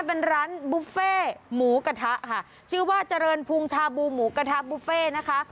เป็นร้านบุฟเฟ่หมูกระทะค่ะชื่อว่าเจริญพุงชาบูหมูกระทะบุฟเฟ่นะคะ